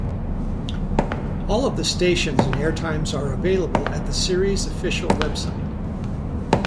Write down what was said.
All of the stations and airtimes are available at the series official website.